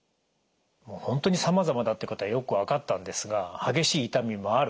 本当にさまざまだってことがよく分かったんですが激しい痛みもある。